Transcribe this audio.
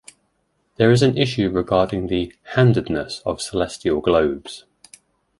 There is an issue regarding the "handedness" of celestial globes.